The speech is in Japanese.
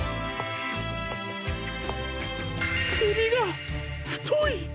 くびがふとい！